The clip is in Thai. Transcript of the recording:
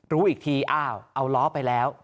รู้อีกทีอ้าวเอาล้อไปแล้ว